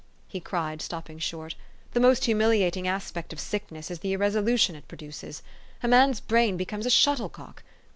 " he cried, stopping short. "The most humiliating aspect of sickness is the irresolution it produces. A man's brain becomes a shuttlecock.